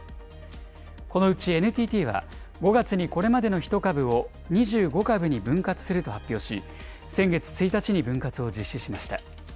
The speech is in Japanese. このうちＮＴＴは５月にこれまでの１株を２５株に分割すると発表し、先月１日に分割を実施しました。